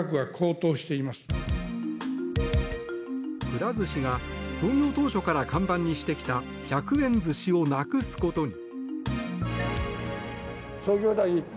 くら寿司が創業当初から看板にしてきた１００円寿司をなくすことに。